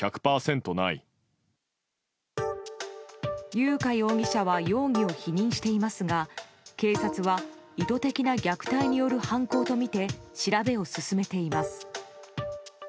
優花容疑者は容疑を否認していますが警察は意図的な虐待による犯行とみて調べを進めています。